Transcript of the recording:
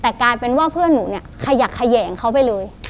แต่กลายเป็นว่าเพื่อนหนูเนี่ยขยักแขยงเขาไปเลย